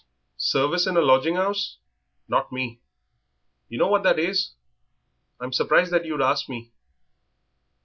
"Service in a lodging 'ouse! Not me. You know what that is. I'm surprised that you'd ask me."